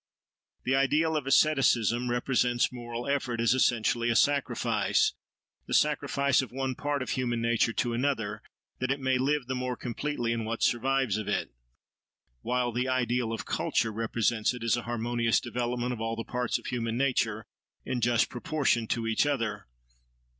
The ideal of asceticism represents moral effort as essentially a sacrifice, the sacrifice of one part of human nature to another, that it may live the more completely in what survives of it; while the ideal of culture represents it as a harmonious development of all the parts of human nature, in just proportion to each other.